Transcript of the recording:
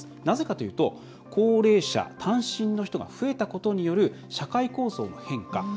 なぜかというと高齢者、単身の人が増えたことによる社会構造の変化。